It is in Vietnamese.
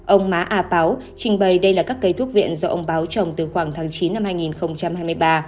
ông má a páo trình bày đây là các cây thuốc viện do ông báo trồng từ khoảng tháng chín năm hai nghìn hai mươi ba